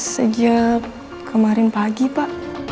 sejak kemarin pagi pak